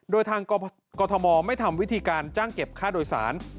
โดยทางกรทมไม่ทำวิธีการจ้างเก็บค่าโดยสาร